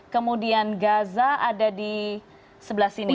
kemudian gaza ada di sebelah sini